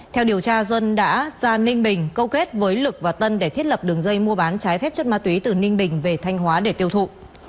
theo điều tra duân đã ra ninh bình câu kết với lực và tân để thiết lập đường dây mua bán trái phép chất ma túy từ ninh bình về thanh hóa để tiêu thụ